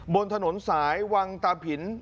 บนถนนสายวังตาผิน